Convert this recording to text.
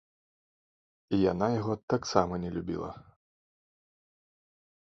Яна яго таксама не любіла.